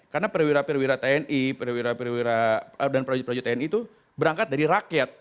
karena perwira perwira tni perwira perwira dan proyek proyek tni itu berangkat dari rakyat